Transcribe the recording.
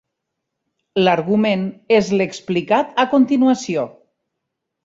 L'argument és l'explicat a continuació.